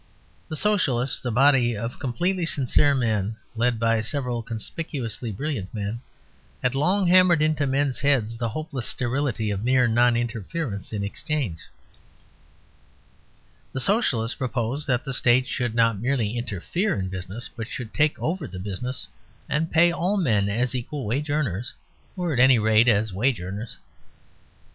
The Socialists, a body of completely sincere men led by several conspicuously brilliant men, had long hammered into men's heads the hopeless sterility of mere non interference in exchange. The Socialists proposed that the State should not merely interfere in business but should take over the business, and pay all men as equal wage earners, or at any rate as wage earners.